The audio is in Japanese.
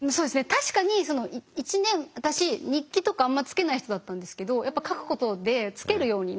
確かに私日記とかあんまつけない人だったんですけどやっぱ書くことでつけるようになったんですよね